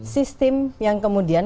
sistem yang kemudian